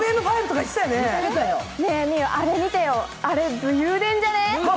ねえ、あれ見てよ、あれ、武勇伝じゃね？